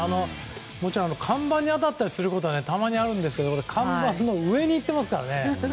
もちろん看板に当たったりすることはたまにあるんですけど看板の上にいってますからね。